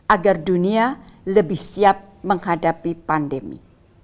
agar dunia lebih siap menghadapi pandemi